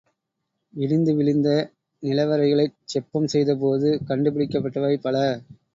இடிந்து விழுந்த நிலவறைகளைச் செப்பம் செய்தபோது கண்டுபிடிக்கப்பட்டவை பல.